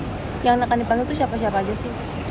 yang akan dipanggil itu siapa siapa aja sih